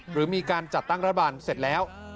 หรือมีการจัดตั้งรัฐบาลเสร็จแล้ว